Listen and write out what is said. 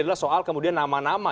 adalah soal kemudian nama nama